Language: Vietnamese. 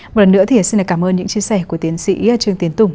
một lần nữa thì xin cảm ơn những chia sẻ của tiến sĩ trương tiến tùng